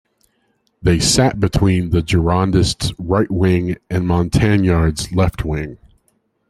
They sat between the Girondists' right-wing and Montagnards' left-wing.